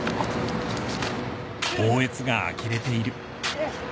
よいしょ。